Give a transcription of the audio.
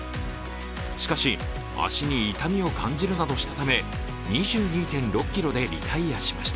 しかし、足に痛みを感じるなどしたため２２．６ｋｍでリタイアしました。